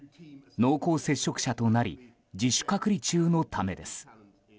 濃厚接触者となり自主隔離中のためです。